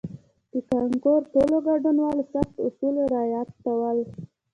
د کانکور ټولو ګډونوالو سخت اصول رعایتول.